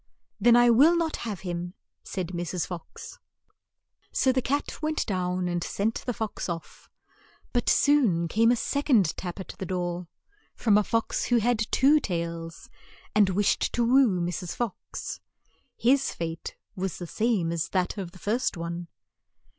"Then I will not have him," said Mrs. Fox. So the cat went down and sent the fox off; but soon came a sec ond tap at the door, from a fox who had two tails, and wished to woo Mrs. Fox. His fate was the same as that of the first one.